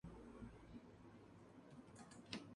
En esas circunstancias el cráter es visible lateralmente.